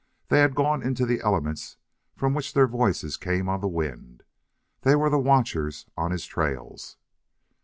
They had gone into the elements from which their voices came on the wind. They were the watchers on his trails.